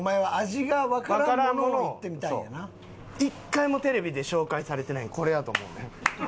１回もテレビで紹介されてないのこれやと思うねん。